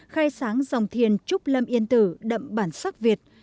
khai sáng dòng thiền trúc lâm yên tử đậm bản sắc việt